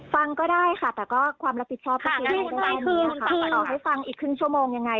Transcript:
ฟังก็ได้ค่ะแต่ก็ความรับผิดชอบก็คือต่อให้ฟังอีกครึ่งชั่วโมงยังไง